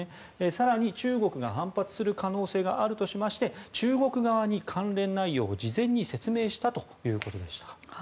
更に中国が反発する可能性があるとしまして中国側に関連内容を事前に説明したということでした。